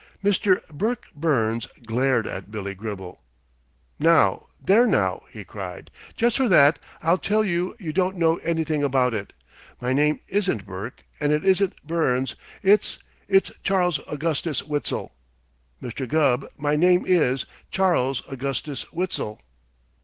Mr. Burke Burns glared at Billy Gribble. "Now! There, now!" he cried. "Just for that I'll tell you you don't know anything about it. My name isn't Burke, and it isn't Burns. It's it's Charles Augustus Witzel. Mr. Gubb, my name is Charles Augustus Witzel."